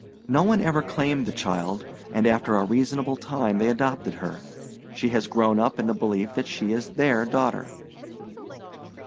No one ever claimed the child, and after a reasonable time they adopted her. She has grown up in the belief that she is their daughter."